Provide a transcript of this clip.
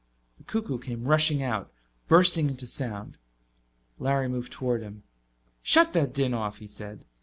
The cuckoo came rushing out, bursting into sound. Larry moved toward him. "Shut that din off," he said.